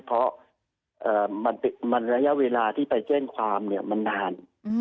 เพราะมันระยะเวลาที่ไปแจ้งความมันนาน